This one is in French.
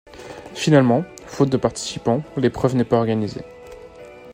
Finalement, faute de participants, l'épreuve n'est pas organisée.